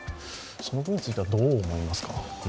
その部分についてはどう思いますか？